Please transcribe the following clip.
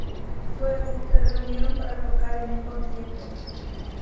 Luego, se reunieron para tocar en un concierto.